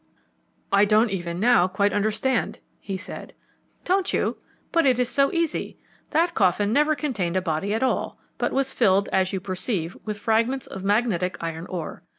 "I don't even now quite understand," he said. "Don't you? but it is so easy. That coffin never contained a body at all, but was filled, as you perceive, with fragments of magnetic iron ore.